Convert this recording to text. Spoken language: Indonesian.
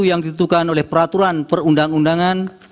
yang ditentukan oleh peraturan perundang undangan